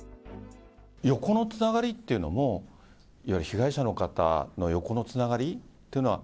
横のつながりっていうのも、いわゆる被害者の方の横のつながりというのは、